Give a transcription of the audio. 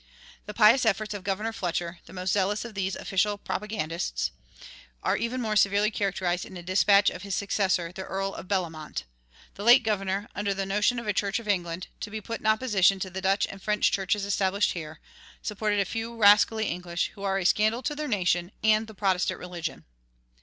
The pious efforts of Governor Fletcher, the most zealous of these official propagandists, are even more severely characterized in a dispatch of his successor, the Earl of Bellomont: "The late governor, ... under the notion of a Church of England to be put in opposition to the Dutch and French churches established here, supported a few rascally English, who are a scandal to their nation and the Protestant religion."